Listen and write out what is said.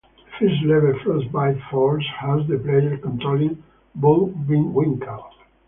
The first level, Frostbite Falls, has the player controlling Bullwinkle.